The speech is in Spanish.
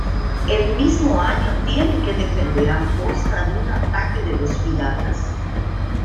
El mismo año tiene que defender Amposta de un ataque de los piratas.